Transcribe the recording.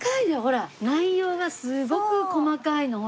内容がすごく細かいの。